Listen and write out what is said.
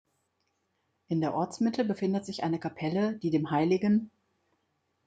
In der Ortsmitte befindet sich eine Kapelle, die dem Hl.